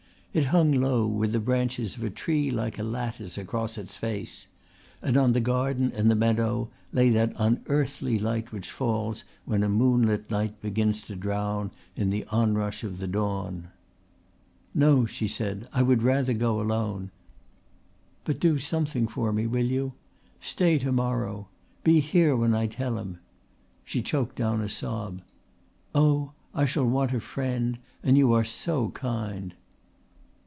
It hung low with the branches of a tree like a lattice across its face; and on the garden and the meadow lay that unearthly light which falls when a moonlit night begins to drown in the onrush of the dawn. "No," she said. "I would rather go alone. But do something for me, will you? Stay to morrow. Be here when I tell him." She choked down a sob. "Oh, I shall want a friend and you are so kind."